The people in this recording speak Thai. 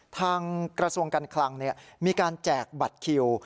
กระทรวงการคลังมีการแจกบัตรคิว